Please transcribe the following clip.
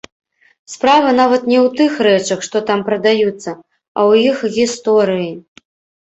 Справа, нават, не ў тых рэчах, што там прадаюцца, а ў іх гісторыі.